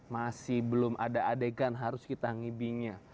masih belum ada adegan harus kita ngibinya